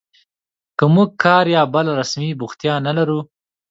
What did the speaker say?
که موږ کار یا بله رسمي بوختیا نه لرو